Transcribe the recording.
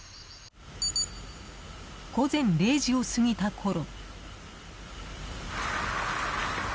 午前０時を過ぎたころ。